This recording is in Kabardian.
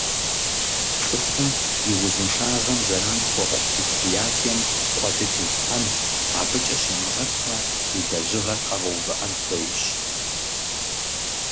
ЦӀыхум и узыншагъэм зэран хуэхъу предприятием къуэды телъхьэн, абыкӀэ щимыгъэтмэ, и лэжьыгъэр къэгъэувыӀэн хуейщ.